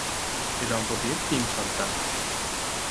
এই দম্পতির তিন সন্তান।